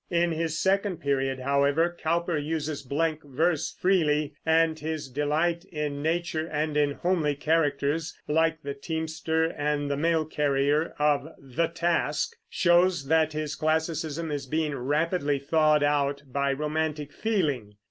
In his second period, however, Cowper uses blank verse freely; and his delight in nature and in homely characters, like the teamster and the mail carrier of The Task, shows that his classicism is being rapidly thawed out by romantic feeling.